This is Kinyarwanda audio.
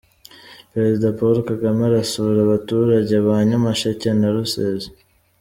Perezida Paul Kagame arasura abaturage ba Nyamasheke na Rusizi